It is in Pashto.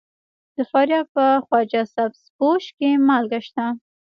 د فاریاب په خواجه سبز پوش کې مالګه شته.